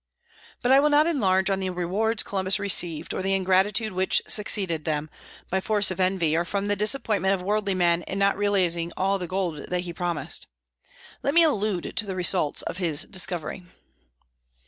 But I will not enlarge on the rewards Columbus received, or the ingratitude which succeeded them, by force of envy or from the disappointment of worldly men in not realizing all the gold that he promised. Let me allude to the results of his discovery.